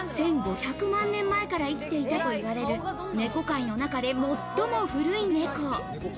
何と１５００万年前から生きていたといわれるネコ界の中で最も古い猫。